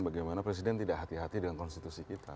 bagaimana presiden tidak hati hati dengan konstitusi kita